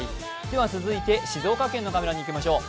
では、続いて静岡県のカメラにいきましょう。